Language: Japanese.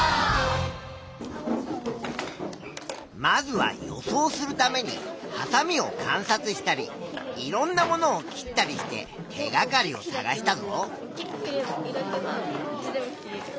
まずは予想するためにはさみを観察したりいろんなものを切ったりして手がかりを探したぞ。